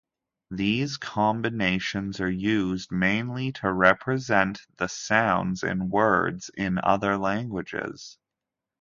These combinations are used mainly to represent the sounds in words in other languages.